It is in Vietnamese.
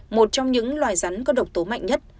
một trong những loài rắn có độc tố mạnh nhất